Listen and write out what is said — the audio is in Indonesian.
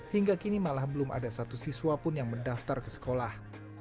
hingga kini malah belum ada satu siswa pun yang mendaftar ke sekolah